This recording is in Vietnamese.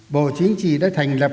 bộ chính trị đã thành lập